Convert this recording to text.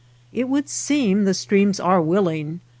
It would seem the streams are willing.